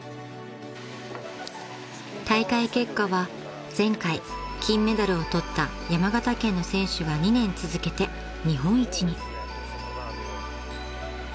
［大会結果は前回金メダルを取った山形県の選手が２年続けて日本一に］